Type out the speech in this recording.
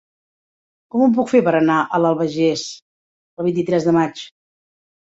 Com ho puc fer per anar a l'Albagés el vint-i-tres de maig?